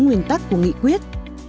nguyên tắc của nghị quyết